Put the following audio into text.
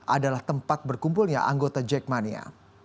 adalah tempat berkumpulnya anggota jackmania